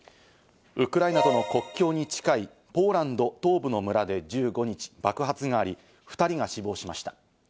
ウクライナとの国境に近いポーランド東部の村で１５日、爆発があり、２人が死亡しました。